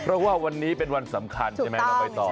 เพราะว่าวันนี้เป็นวันสำคัญนะใบตอง